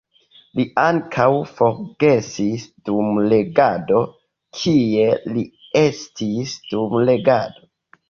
Li ankaŭ forgesis dum legado, kie li estis dum legado.